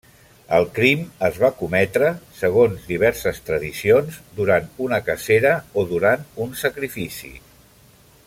El crim es va cometre, segons diverses tradicions, durant una cacera o durant un sacrifici.